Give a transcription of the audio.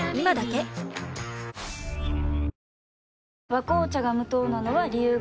「和紅茶」が無糖なのは、理由があるんよ。